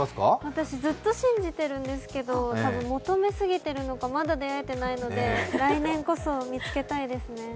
私、ずっと信じてるんですけど、求めすぎているのか、まだ出会ってないので来年こそ見つけたいですね。